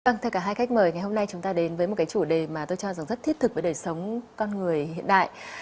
vâng thưa cả hai khách mời ngày hôm nay chúng ta đến với một cái chủ đề mà tôi cho rằng rất thiết thực với đời sống con người hiện đại